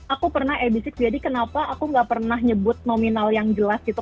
aku pernah abdisic jadi kenapa aku gak pernah nyebut nominal yang jelas gitu